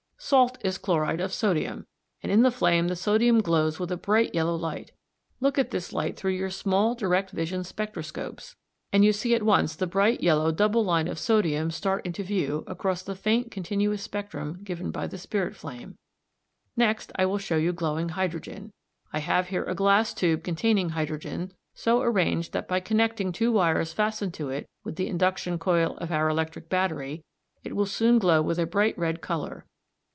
Salt is chloride of sodium, and in the flame the sodium glows with a bright yellow light. Look at this light through your small direct vision spectroscopes and you see at once the bright yellow double line of sodium (No. 3, Plate I.) start into view across the faint continuous spectrum given by the spirit flame. Next I will show you glowing hydrogen. I have here a glass tube containing hydrogen, so arranged that by connecting two wires fastened to it with the induction coil of our electric battery it will soon glow with a bright red colour.